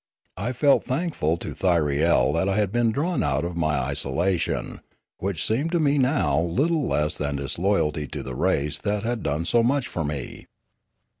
I felt thankful to Thyriel that I had been drawn out of my isolation, which seemed to me now little less than disloyalty to the race that had done so much for me.